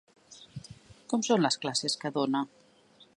Com són les classes que dona?